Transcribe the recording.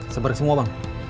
sebarik semua bang